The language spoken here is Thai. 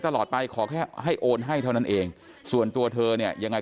ตลอดไปขอแค่ให้โอนให้เท่านั้นเองส่วนตัวเธอเนี่ยยังไง